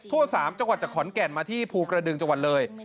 ๓จังหวัดจากขอนแก่นมาที่ภูกระดึงจังหวัดเลย